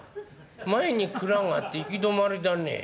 前に蔵があって行き止まりだね。